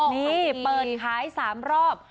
นี่เปิดขาย๓รอบ